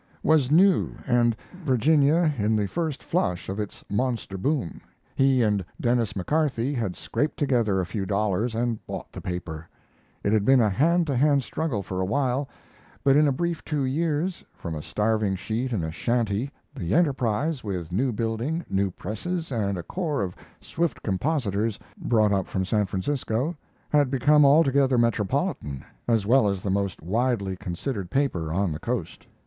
] was new and Virginia in the first flush of its monster boom, he and Denis McCarthy had scraped together a few dollars and bought the paper. It had been a hand to hand struggle for a while, but in a brief two years, from a starving sheet in a shanty the Enterprise, with new building, new presses, and a corps of swift compositors brought up from San Francisco, had become altogether metropolitan, as well as the most widely considered paper on the Coast.